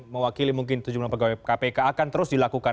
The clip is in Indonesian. mewakili mungkin sejumlah pegawai kpk akan terus dilakukan